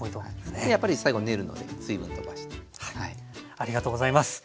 ありがとうございます。